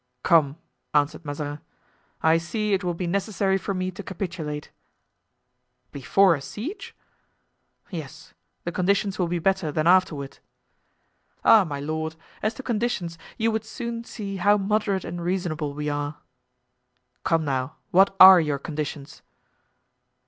"Come," answered Mazarin, "I see it will be necessary for me to capitulate." "Before a siege?" "Yes; the conditions will be better than afterward." "Ah, my lord! as to conditions, you would soon see how moderate and reasonable we are!" "Come, now, what are your conditions?"